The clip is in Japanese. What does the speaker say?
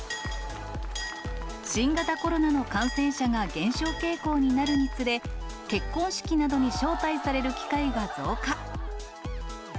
新型コロナの感染者が減少傾向になるにつれ、結婚式などに招待される機会が増加。